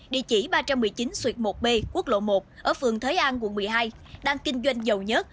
địa chỉ ba trăm một mươi chín xuyệt một b quốc lộ một ở phường thới an quận một mươi hai đang kinh doanh dầu nhất